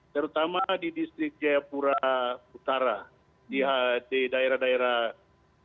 terutama di distrik jayapura utara di daerah daerah